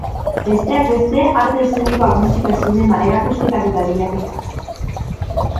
Besteak beste, arte eszenikoak, musika, zinema, erakusketak eta lehiaketak.